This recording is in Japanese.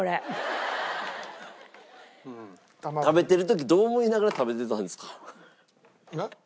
食べてる時どう思いながら食べてたんですか？